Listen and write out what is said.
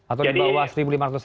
atau di bawah seribu lima ratus cc